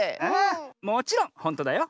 もちろんほんとだよ。